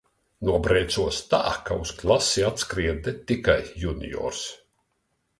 Nobrēcos tā, ka uz klasi atskrien ne tikai juniors.